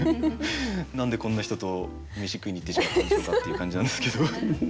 何でこんな人と飯食いに行ってしまったんでしょうかっていう感じなんですけど。